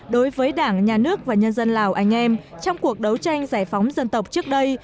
đối với đảng nhà nước và nhân dân lào anh em trong cuộc đấu tranh giải phóng dân tộc trước đây